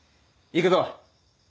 行くぞ！